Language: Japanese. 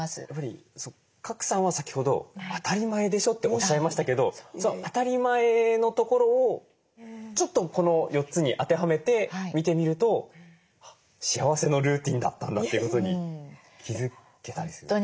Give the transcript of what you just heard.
やっぱり賀来さんは先ほど「当たり前でしょ」っておっしゃいましたけどその当たり前のところをちょっとこの４つに当てはめて見てみると「幸せのルーティンだったんだ」ということに気付けたりする。